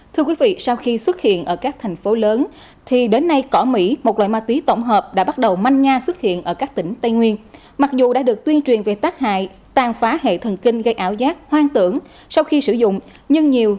thưa quý vị sau khi xuất hiện ở các thành phố lớn thì đến nay cỏ mỹ một loại ma túy tổng hợp đã bắt đầu manh nga xuất hiện ở các tỉnh tây nguyên mặc dù đã được tuyên truyền về tác hại tàn phá hệ thần kinh gây ảo giác hoang tưởng sau khi sử dụng nhưng nhiều